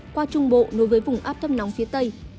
qua trung bộ nối với vùng áp thấp nóng phía tây